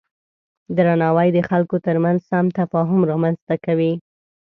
درناوی د خلکو ترمنځ سم تفاهم رامنځته کوي.